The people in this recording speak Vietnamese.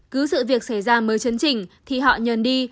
cứ sự việc xảy ra mới chấn chỉnh thì họ nhờn đi